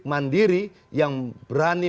mandiri yang berani